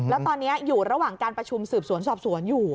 แล้วตอนนี้อยู่ระหว่างการประชุมสืบสวนสอบสวนอยู่